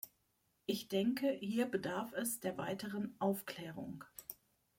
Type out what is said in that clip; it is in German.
Ich denke, hier bedarf es der weiteren Aufklärung.